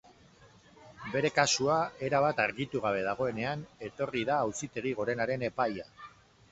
Bere kasua erabat argitu gabe dagoenean, etorri da auzitegi gorenaren epaia.